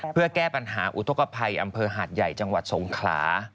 เพื่อแก้ปัญหาอุทธกภัยอำเภอหาดใหญ่จังหวัดสงขลา